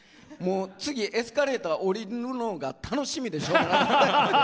次、エスカレーター降りるのが楽しみでしょうがない。